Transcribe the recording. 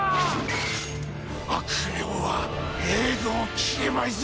悪名は永劫消えまいぞ。